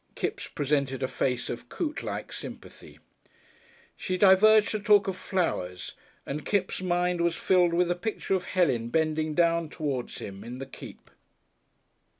Kipps presented a face of Coote like sympathy. She diverged to talk of flowers, and Kipps' mind was filled with the picture of Helen bending down towards him in the Keep....